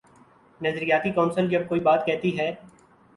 نظریاتی کونسل جب کوئی بات کہتی ہے۔